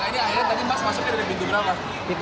nah ini akhirnya tadi masuknya dari pintu berapa